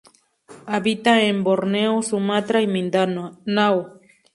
Habita en Borneo, Sumatra y Mindanao.